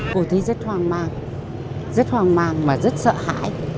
cô thấy rất hoang mang rất hoang mang và rất sợ hãi